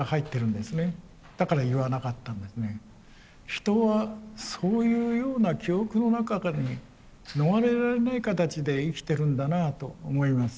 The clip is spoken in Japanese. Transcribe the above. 人はそういうような記憶の中に逃れられない形で生きてるんだなあと思います。